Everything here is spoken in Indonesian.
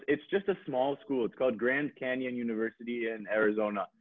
ini sekolah kecil grand canyon university di arizona